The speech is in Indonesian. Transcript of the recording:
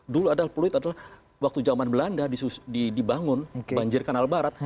dulu adalah pluit adalah waktu zaman belanda dibangun banjir kanal barat